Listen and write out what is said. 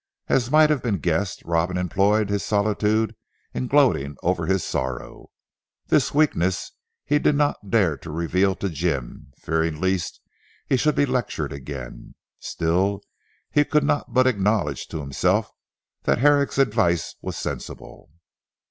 As might have been guessed Robin employed his solitude in gloating over his sorrow. This weakness he did not dare to reveal to Jim, fearing lest he should be lectured again. Still, he could not but acknowledge to himself that Herrick's advice was sensible.